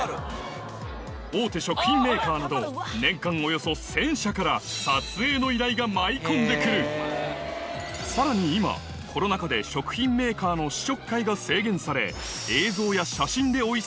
大手食品メーカーなど年間およそ１０００社から撮影の依頼が舞い込んで来るさらに今コロナ禍でが高まっているされるんですよ。